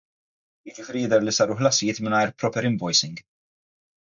Jiġifieri jidher li saru ħlasijiet mingħajr proper invoicing.